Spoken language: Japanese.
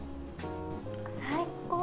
最高！